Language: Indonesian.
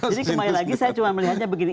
jadi kembali lagi saya cuma melihatnya begini